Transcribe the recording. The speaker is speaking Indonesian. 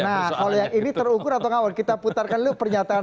nah kalau yang ini terukur atau ngawal kita putarkan dulu pernyataan